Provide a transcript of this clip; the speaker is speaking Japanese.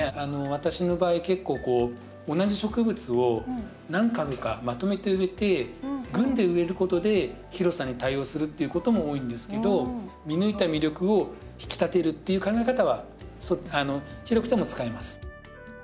私の場合結構こう同じ植物を何株かまとめて植えて群で植えることで広さに対応するっていうことも多いんですけど見抜いた魅力を引き立てるっていう考え方は広くても使えます。